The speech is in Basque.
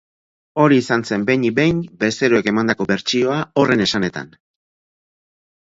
Hori izan zen behinik behin bezeroek emandako bertsioa, horren esanetan.